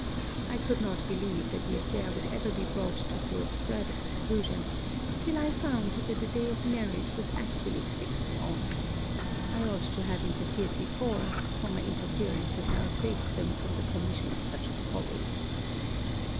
I could not believe that the affair would ever be brought to so absurd a conclusion, till I found that the day of marriage was actually fixed on. I ought to have interfered before; for my interference has now saved them from the commission of such a folly.